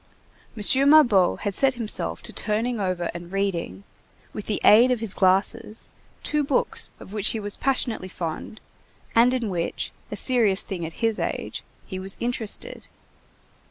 M. Mabeuf had set himself to turning over and reading, with the aid of his glasses, two books of which he was passionately fond and in which, a serious thing at his age, he was interested.